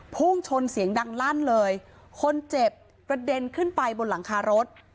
พุ่งชนเสียงดังลั่นเลยคนเจ็บกระเด็นขึ้นไปบนหลังคารถ